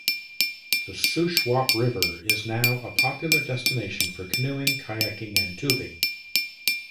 The Shuswap River is now a popular destination for canoeing, kayaking and tubing.